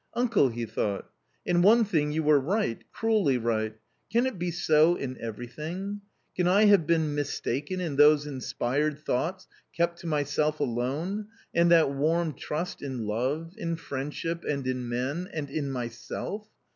" Uncle !" he thought ;" in one thing you were right, cruelly right ; can it be so in everything ? can I have been mistaken in those inspired thoughts kept to myself alone and that warm trust in love, in friendship, and in men, and in myself?